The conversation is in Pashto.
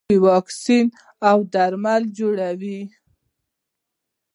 دوی واکسین او درمل جوړوي.